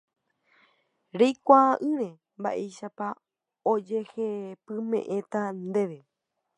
reikuaa'ỹre mba'éichapa ojehepyme'ẽta ndéve